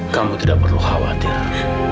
kamu tidak perlu khawatir